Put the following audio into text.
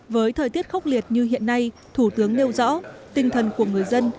với thời tiết khốc liệt như hiện nay thủ tướng nêu rõ tinh thần của người dân